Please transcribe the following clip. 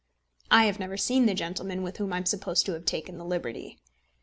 I have never seen the gentleman with whom I am supposed to have taken the liberty.